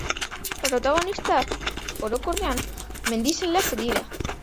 Protagonistak, orokorrean, mendizaleak dira.